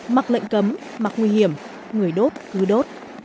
mặc lệnh cấm mặc nguy hiểm người đốt cứ đốt